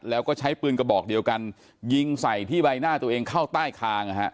แล้วก็ใช้ปืนกระบอกเดียวกันยิงใส่ที่ใบหน้าตัวเองเข้าใต้คาง